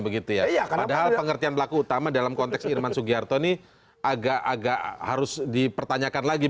padahal pengertian pelaku utama dalam konteks irman sugiharto ini agak agak harus dipertanyakan lagi